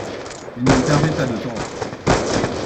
Ils ne perdaient pas de temps.